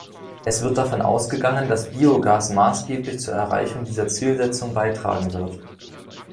Es wird davon ausgegangen, dass Biogas maßgeblich zur Erreichung dieser Zielsetzung beitragen wird.